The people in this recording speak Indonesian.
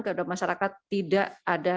kepada masyarakat tidak ada